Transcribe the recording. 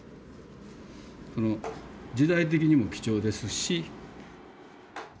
この時代的にも貴重ですし。